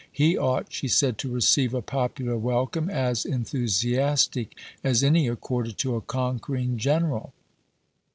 He ought, she said, to receive a popular welcome as enthusiastic as any accorded to a conquering General.